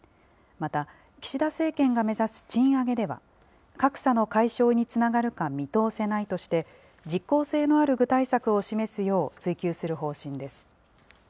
また、岸田政権が目指す賃上げでは、格差の解消につながるか見通せないとして、実効性のある具体策を示すよう追及する方針です。